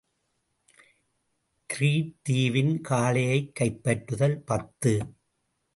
Greet தீவின் காளையைக் கைப்பற்றுதல் பத்து.